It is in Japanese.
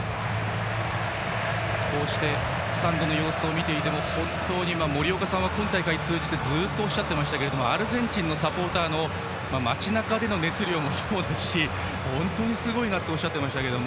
スタンドの様子を見ていても森岡さんは今大会通じてずっとおっしゃっていましたけどアルゼンチンのサポーターの町なかでの熱量もそうですし本当にすごいなっておっしゃってましたが。